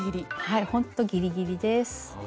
はいほんとギリギリです。